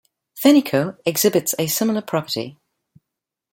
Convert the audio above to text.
Fernico exhibits a similar property.